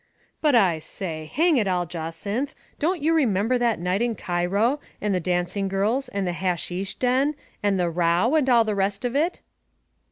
" But I say, hang it all, Jacynth, don't you re member that night in Cairo, and the dancing girls and the hasheesh den, and the row and all the rest of it